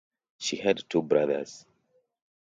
She had two brothers.